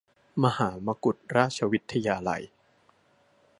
มหามกุฏราชวิทยาลัย